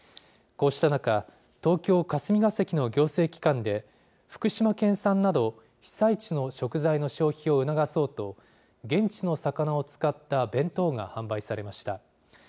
こうした中、東京・霞が関の行政機関で、福島県産など被災地の食材の消費を促そうと、現地の魚を使った弁当が販売されました。